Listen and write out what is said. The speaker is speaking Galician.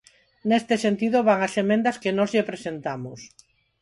Nese sentido van as emendas que nós lle presentamos.